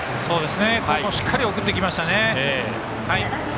ここもしっかり送ってきましたね。